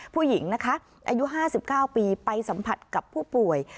ผู้หญิงนะคะอายุ๕๙ปีไปสัมผัสกับผู้ป่วย